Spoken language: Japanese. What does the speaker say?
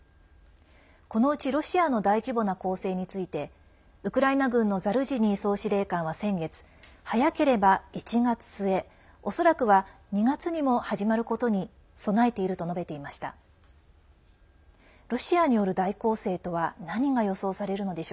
このうち、ロシアの大規模な攻勢についてウクライナ軍のザルジニー総司令官は先月早ければ１月末、おそらくは２月にも始まることに備えていると述べていました。